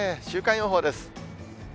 週間予報です。